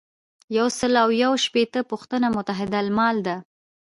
یو سل او یو شپیتمه پوښتنه متحدالمال ده.